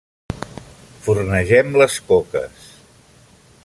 Fornegem les coques.